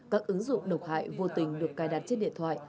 các ứng dụng độc hại vô tình được cài đặt trên điện thoại